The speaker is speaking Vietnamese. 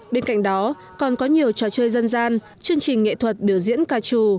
bên cạnh đó còn có nhiều trò chơi dân gian chương trình nghệ thuật biểu diễn ca trù